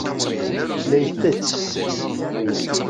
La itett.